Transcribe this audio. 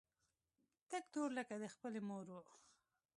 تک تور لکه د خپلې مور و.